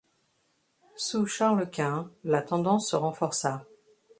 Sous Charles Quint, la tendance se renforça.